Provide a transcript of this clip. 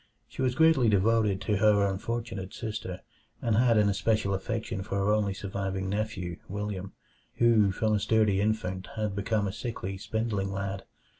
She was greatly devoted to her unfortunate sister, and had an especial affection for her only surviving nephew William, who from a sturdy infant had become a sickly, spindling lad.